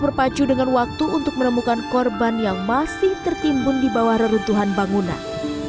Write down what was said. berpacu dengan waktu untuk menemukan korban yang masih tertimbun di bawah reruntuhan bangunan